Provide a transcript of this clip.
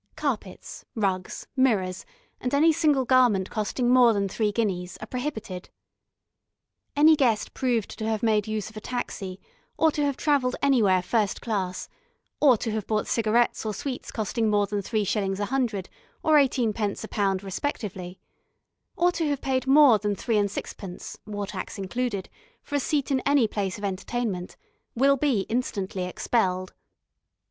Carpets, rugs, mirrors, and any single garment costing more than three guineas, are prohibited. Any guest proved to have made use of a taxi, or to have travelled anywhere first class, or to have bought cigarettes or sweets costing more than three shillings a hundred or eighteenpence a pound respectively, or to have paid more than three and sixpence (war tax included) for a seat in any place of entertainment, will be instantly expelled.